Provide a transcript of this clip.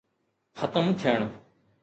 ختم ٿيڻ.